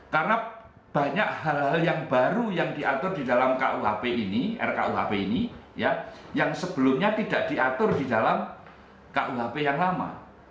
karena banyak hal hal yang baru yang diatur di dalam rkuhp ini yang sebelumnya tidak diatur di dalam rkuhp yang lama